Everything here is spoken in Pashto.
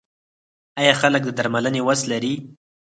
آیا خلک د درملنې وس لري؟